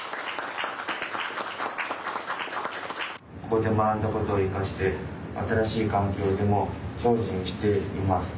ここで学んだことを生かして新しい環境でも精進していきます。